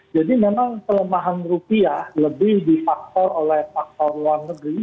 jadi memang pelemahan rupiah lebih difaktor oleh faktor luar negeri